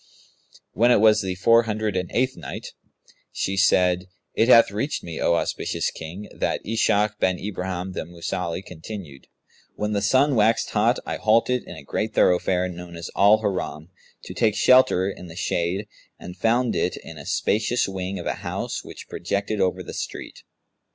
When it was the Four Hundred and Eighth Night, She said, It hath reached me, O auspicious King, that Ishak bin Ibrahim the Mausili continued: "When the sun waxed hot I halted in a great thoroughfare known as Al Haram, to take shelter in the shade and found it in a spacious wing of a house which projected over the street.